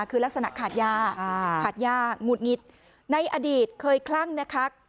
คือลักษณะขาดยาขาดยาหงุดหงิดในอดีตเคยคลั่งนะคะ